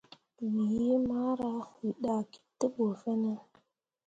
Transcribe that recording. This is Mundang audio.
Wǝ yiimara, wǝ dahki te ɓu fine.